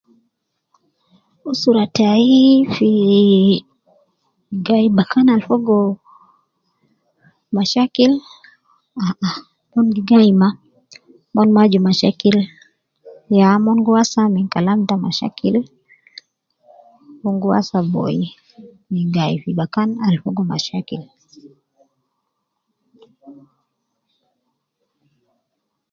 Usra tayii, fii gayi bakan al fogo mashakil, ah ah, umon gi gayi mma, mon mma aju mashakil, yaa mon gi wasa min kalam ta mashakil, mon gi wasa boyi min gayi fi bakan al fogo mashakil.